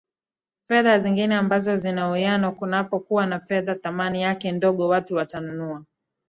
fedha zingine ambazo zinauiano kunapo kuwa na fedha thamani yake ndogo watu watanunua